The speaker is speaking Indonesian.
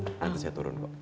nanti saya turun mbok